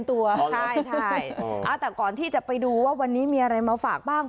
แต่ก่อนที่จะไปดูว่าวันนี้มีอะไรมาฝากบ้าง